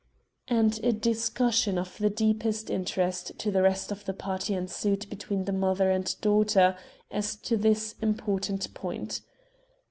And a discussion of the deepest interest to the rest of the party ensued between the mother and daughter as to this important point.